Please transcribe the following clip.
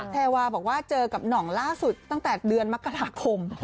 แพรวาบอกว่าเจอกับหน่องล่าสุดตั้งแต่เดือนมกราคม